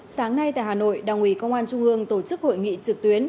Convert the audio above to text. sáng nay tại hà nội đảng ủy công an trung ương tổ chức hội nghị trực tuyến